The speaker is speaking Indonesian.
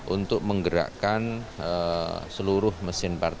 untuk menggerakkan seluruh mesin partai